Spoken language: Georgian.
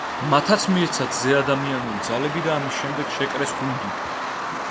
მათაც მიეცათ ზეადამიანური ძალები და ამის შემდეგ შეკრეს გუნდი.